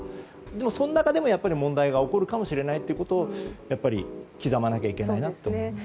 その中でも問題が起こるかもしれないということを刻まなきゃいけないなと思います。